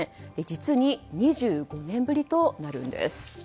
実に２５年ぶりとなるんです。